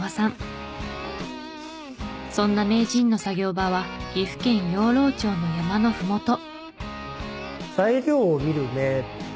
そんな名人の作業場は岐阜県養老町の山のふもと。